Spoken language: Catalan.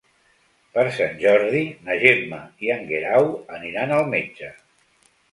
Per Sant Jordi na Gemma i en Guerau aniran al metge.